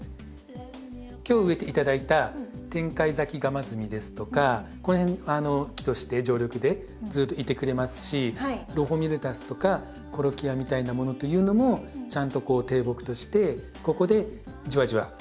今日植えて頂いたテンカイザキガマズミですとかこの辺木として常緑でずっといてくれますしロフォミルタスとかコロキアみたいなものというのもちゃんと低木としてここでじわじわ育ってくれる感じになりますので。